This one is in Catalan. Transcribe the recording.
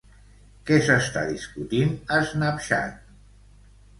Què s'està discutint a Snapchat?